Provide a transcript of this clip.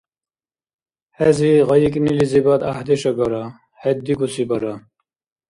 Хӏези гъайикӏнилизибад гӏяхӏдеш агара. Хӏед дигуси бара...